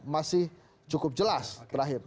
masih cukup jelas terakhir